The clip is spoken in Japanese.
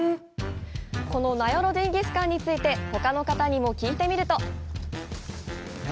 この名寄ジンギスカンについてほかの方にも聞いてみると。